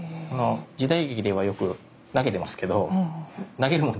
時代劇ではよく投げてますけど投げるもんじゃないです。